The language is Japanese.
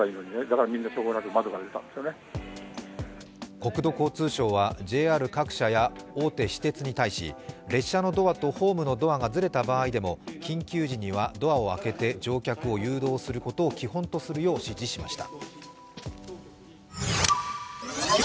国土交通省は、ＪＲ各社や大手私鉄に対し、列車のドアとホームのドアがずれた場合でも緊急時にはドアを開けて乗客を誘導することを基本とするよう指示しました。